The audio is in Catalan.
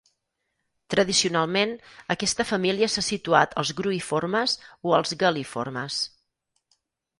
Tradicionalment aquesta família s'ha situat als gruïformes o als gal·liformes.